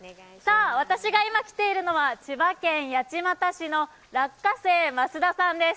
私が今、来ているのは千葉県八街市の落花生ますださんです。